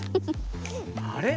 あれ？